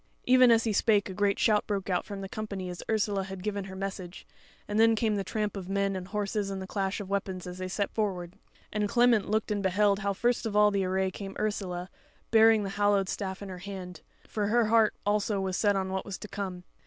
Even as he spake a great shout broke out from the company as Ursula had given her message, and then came the tramp of men and horses and the clash of weapons as they set forward; and Clement looked and beheld how first of all the array came Ursula, bearing the hallowed staff in her hand; for her heart also was set on what was to come.